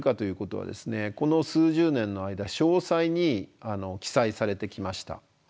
この数十年の間詳細に記載されてきました。